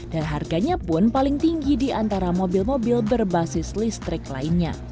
dan harganya pun paling tinggi di antara mobil mobil berbasis listrik lainnya